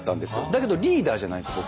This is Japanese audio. だけどリーダーじゃないんですよ